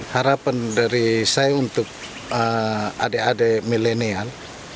harapan dari saya untuk adik adik milenial